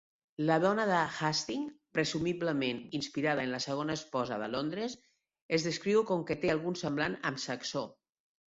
La dona de Hasting, presumiblement inspirada en la segona esposa de Londres, es descriu com que té algun semblant amb Saxó.